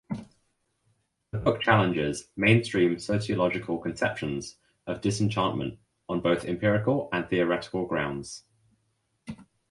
The book challenges mainstream sociological conceptions of disenchantment on both empirical and theoretical grounds.